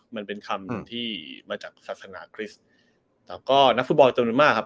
มันเป็นคำที่มาจากศาสนาคริสต์แต่ก็นักฟุตบอลจำนวนมากครับ